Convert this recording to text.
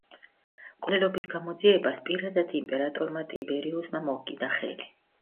მკვლელობის გამოძიებას პირადად იმპერატორმა ტიბერიუსმა მოჰკიდა ხელი.